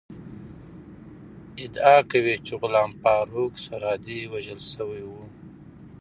ادعا کوي چې غلام فاروق سرحدی وژل شوی ؤ